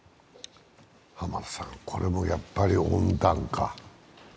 浜田さん、これもやっぱり温暖化？